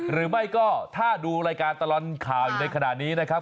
หรือไม่ก็ถ้าดูรายการตลอดข่าวอยู่ในขณะนี้นะครับ